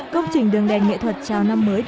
công trình đường đèn nghệ thuật chào năm mới